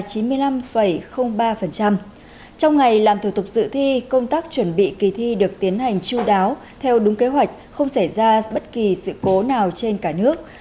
trong ngày làm thủ tục dự thi công tác chuẩn bị kỳ thi được tiến hành chú đáo theo đúng kế hoạch không xảy ra bất kỳ sự cố nào trên cả nước